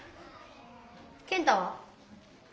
健太は？